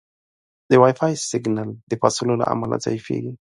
د وائی فای سګنل د فاصلو له امله ضعیفېږي.